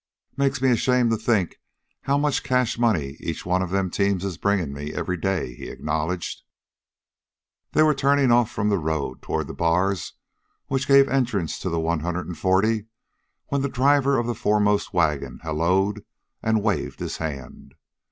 "Makes me ashamed to think how much cash money each one of them teams is bringin' me in every day," he acknowledged. They were turning off from the road toward the bars which gave entrance to the one hundred and forty, when the driver of the foremost wagon hallo'd and waved his hand.